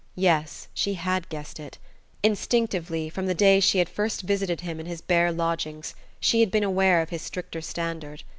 Yes, she had guessed it; instinctively, from the day she had first visited him in his bare lodgings, she had been aware of his stricter standard.